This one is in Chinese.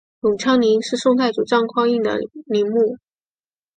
永昌陵是宋太祖赵匡胤的陵墓。